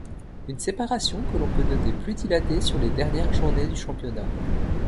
Une séparation que l'on peut noter plus dilatée sur les dernières journées du championnat.